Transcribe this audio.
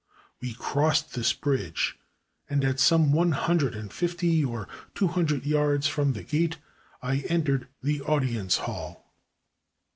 We crossed this bridge, and at some one hundred and fifty or two hundred yards from the gate I entered the audience hall.